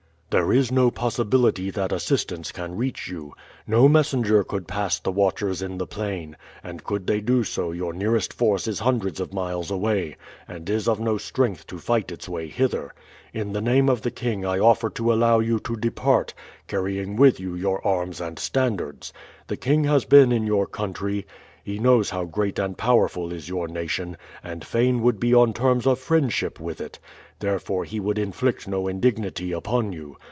"There is no possibility that assistance can reach you. No messenger could pass the watchers in the plain; and could they do so your nearest force is hundreds of miles away, and is of no strength to fight its way hither. In the name of the king I offer to allow you to depart, carrying with you your arms and standards. The king has been in your country. He knows how great and powerful is your nation, and fain would be on terms of friendship with it; therefore he would inflict no indignity upon you.